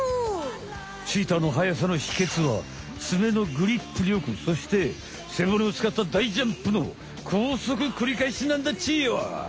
チーターの速さのひけつは爪のグリップりょくそして背骨を使った大ジャンプのこうそく繰り返しなんだっちよ！